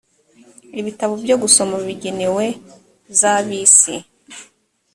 ibitabo byo gusoma bigenewe za bisi